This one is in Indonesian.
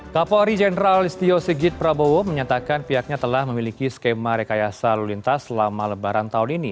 kapolri jenderal istio sigit prabowo menyatakan pihaknya telah memiliki skema rekayasa lalu lintas selama lebaran tahun ini